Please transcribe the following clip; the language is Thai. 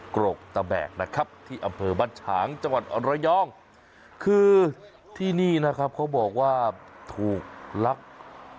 กรกตะแบกนะครับที่อำเภอบ้านฉางจังหวัดระยองคือที่นี่นะครับเขาบอกว่าถูกลัก